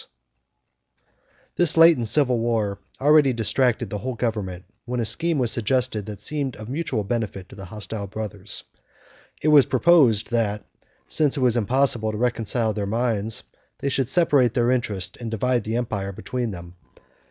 139] This latent civil war already distracted the whole government, when a scheme was suggested that seemed of mutual benefit to the hostile brothers. It was proposed, that since it was impossible to reconcile their minds, they should separate their interest, and divide the empire between them.